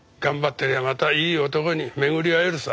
てりゃまたいい男に巡り合えるさ。